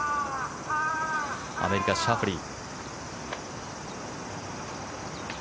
アメリカ、シャフリー。